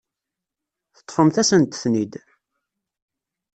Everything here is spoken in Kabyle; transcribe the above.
Teṭṭfemt-asent-ten-id.